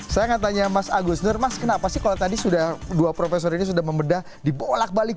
saya nanya mas agus nur mas kenapa sih kalau tadi sudah dua profesor ini sudah membedah di bolak balik